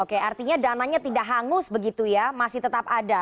oke artinya dananya tidak hangus begitu ya masih tetap ada